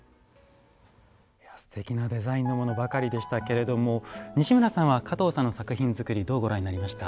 いやすてきなデザインのものばかりでしたけれども西村さんは加藤さんの作品作りどうご覧になりました？